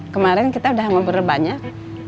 kemarin kita udah ngobrol banyak